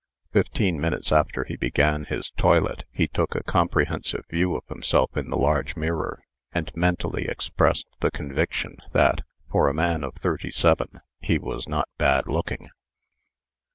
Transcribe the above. Fifteen minutes after he began his toilet, he took a comprehensive view of himself in the large mirror, and mentally expressed the conviction that, for a man of thirty seven, he was not bad looking.